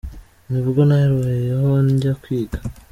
Ni bwo nahereyeho njya kwiga.